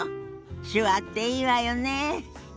手話っていいわよねえ。